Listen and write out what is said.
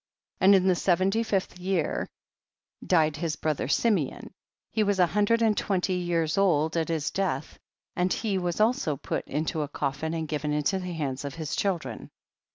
4. And in the seventy fifth year died his brother Simeon, he was a hundred and twenty years old at his death, and he was also put into a coffin and given into the hands of liis children.